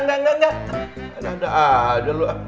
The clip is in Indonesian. ada ada aja lu